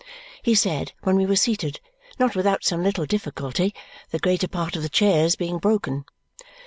he said when we were seated, not without some little difficulty, the greater part of the chairs being broken.